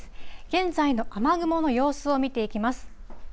現在の雨雲の様子を見ていきます。